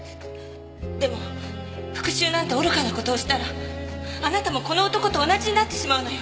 でも復讐なんて愚かな事をしたらあなたもこの男と同じになってしまうのよ。